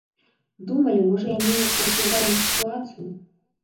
Думалі, можа я неяк паўплываю на сітуацыю.